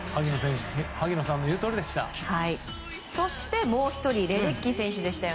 萩野さんの言うとおりでした。